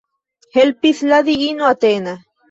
Helpis la diino Atena.